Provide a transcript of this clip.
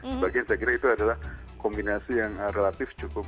sebagian saya kira itu adalah kombinasi yang relatif cukup